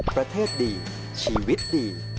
ประเทศดีชีวิตดี